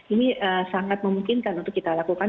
ini sangat memungkinkan untuk kita lakukan